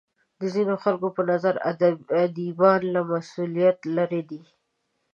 د ځینو خلکو په نظر ادیبان له مسولیت لرې دي.